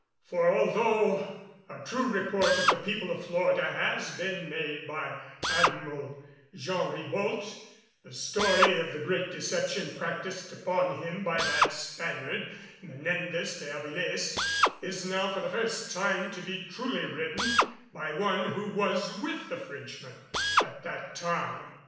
For although a true report of the people of Florida has been made by Admiral Jean Ribault, the story of the great deception practised upon him by that Spaniard, Menendez de Avilés is now for the first time to be truly written by one who was with the Frenchmen at that time.